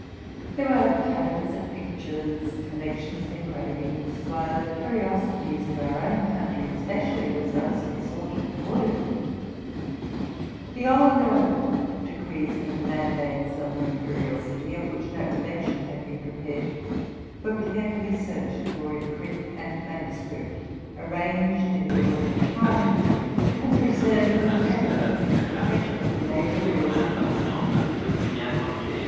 There were cabinets of pictures, collections of engravings ; while the curiosities of our own country especially were zealously sought and hoarded. 'The older decrees and mandates of the imperial city, of which no collection had been prepared, were carefully searched for in print and manuscript, ar ranged in the order of time, and preserved with reverence, 1 A pun upon the name of Ochsenstein. — TRANS. 64 TRUTH AND FICTION as a treasure of native laws and customs.